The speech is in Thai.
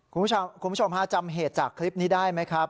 คุณผู้ชมฮาจำเหตุจากคลิปนี้ได้ไหมครับ